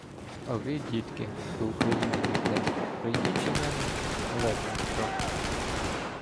А ви, дітки, хто України діжде, прийдіть до мене - молебень відправте.